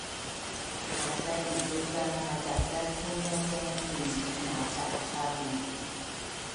Maca izuk a macacakin maca minmakazhavin